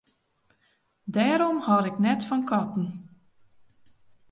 Dêrom hâld ik net fan katten.